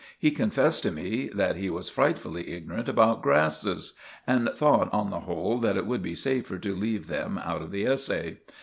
He confessed to me that he was frightfully ignorant about grasses, and thought, on the whole, that it would be safer to leave them out of the essay.